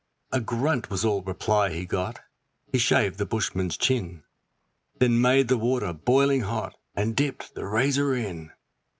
A grunt was all reply he got; he shaved the bushman's chin, Then made the water boiling hot and dipped the razor in.